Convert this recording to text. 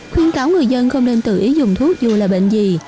khuyên cáo người dân không nên tự ý dùng thuốc dù là bệnh gì